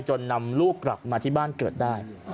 นำลูกกลับมาที่บ้านเกิดได้